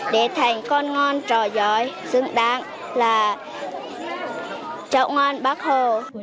để thành con ngon trò giỏi xứng đáng là trọng an bác hồ